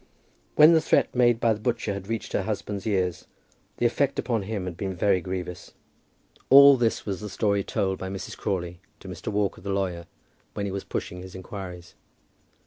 When the threat made by the butcher had reached her husband's ears, the effect upon him had been very grievous. All this was the story told by Mrs. Crawley to Mr. Walker, the lawyer, when he was pushing his inquiries.